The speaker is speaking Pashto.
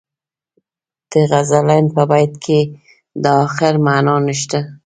د غزلبڼ په بیت کې د اخر معنا نشته.